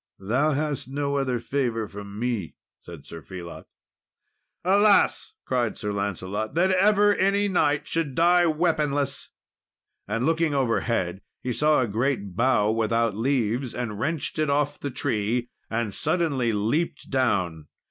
"Thou hast no other favour from me," said Sir Phelot. "Alas!" cried Sir Lancelot, "that ever any knight should die weaponless!" And looking overhead, he saw a great bough without leaves, and wrenched it off the tree, and suddenly leaped down.